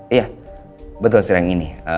iya betul sih yang ini